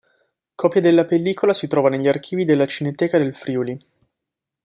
Copia della pellicola si trova negli archivi della Cineteca del Friuli.